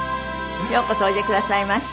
ようこそおいでくださいました。